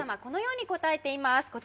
このように答えています